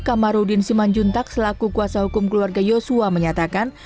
kamarudin siman juntak selaku kuasa hukum keluarga joshua menyatakan